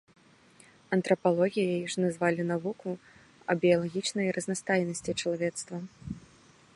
Антрапалогіяй ж называлі навуку аб біялагічнай разнастайнасці чалавецтва.